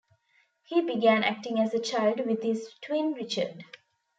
He began acting as a child with his twin Richard.